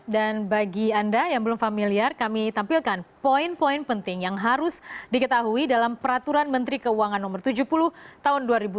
bagi anda yang belum familiar kami tampilkan poin poin penting yang harus diketahui dalam peraturan menteri keuangan no tujuh puluh tahun dua ribu dua puluh